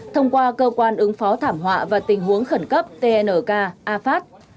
thông qua cơ quan ứng phó thảm họa và tình huống khẩn cấp tnk afat